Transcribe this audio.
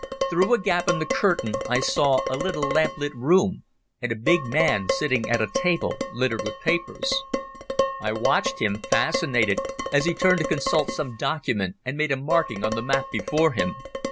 Through a gap in the curtain I saw a little lamp lit room and a big man sitting at a table littered with papers. I watched him, fascinated, as he turned to consult some document and made a marking on the map before him.